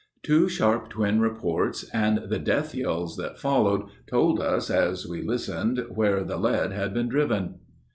Two sharp, twin reports and the death yells that followed Told us as we listened where the lead had been driven.